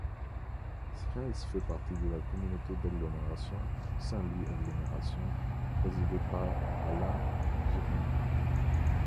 Sierentz fait partie de la communauté d'agglomération Saint-Louis Agglomération, présidée par Alain Girny.